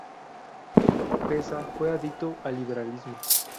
Peza fue adicto al liberalismo.